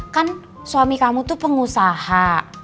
kan suami kamu tuh pengusaha